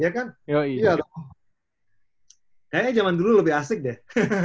kayaknya zaman dulu lebih asik deh